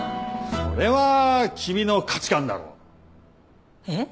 それは君の価値観だろ。えっ？